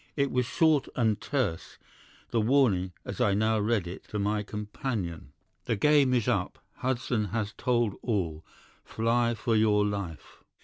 "It was short and terse, the warning, as I now read it to my companion: "'The game is up. Hudson has told all. Fly for your life.